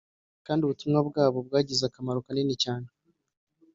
kandi ubutumwa bwabo bwagize akamaro kanini cyane